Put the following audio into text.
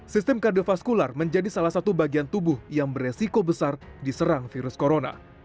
sistem kardiofaskular menjadi salah satu bagian tubuh yang beresiko besar diserang virus corona